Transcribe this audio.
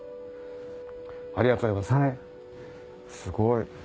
ありがとうございますすごい。